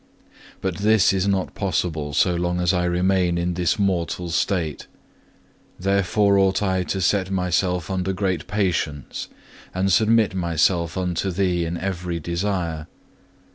But this is not possible, so long as I remain in this mortal state. Therefore ought I to set myself unto great patience, and submit myself unto Thee in every desire.